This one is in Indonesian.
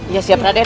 iya siap raden